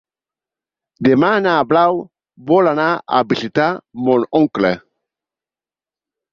Demà na Blau vol anar a visitar mon oncle.